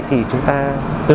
thì chúng ta không biết là